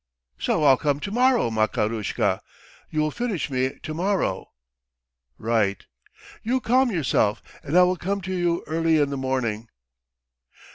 "So I'll come to morrow, Makarushka. You will finish me to morrow." "Right." "You calm yourself and I will come to you early in the morning."